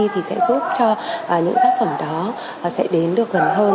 thì sẽ giúp cho những tác phẩm đó sẽ đến được gần hơn cái khả năng